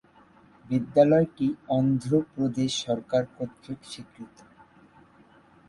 বিদ্যালয়টি অন্ধ্রপ্রদেশ সরকার কর্তৃক স্বীকৃত।